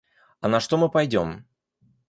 А на что мы пойдем?